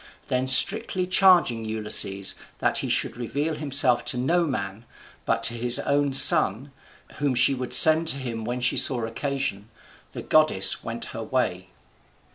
Then strictly charging Ulysses that he should reveal himself to no man, but to his own son, whom she would send to him when she saw occasion, the goddess went her way.